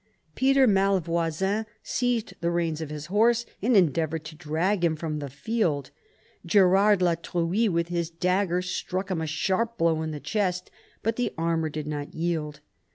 Peter Malvoisin iv BOUVINES 105 seized the reins of his horse and endeavoured to drag him from the field. Gerard la Truie with his dagger struck him a sharp blow on the chest, but the armour did not yield.